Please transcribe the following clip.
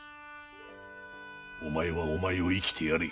お前はお前を生きてやれ。